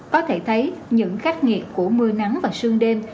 có thể thấy những khách nghiệp của mưa nắng và sương đêm